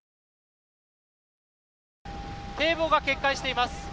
堤防が決壊しています。